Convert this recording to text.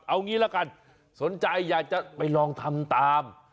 เอางี้ละกันสนใจอยากจะไปลองทำตาม